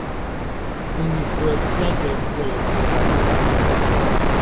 Siglifoué siâkê nʼglwêlêfoué fɛ.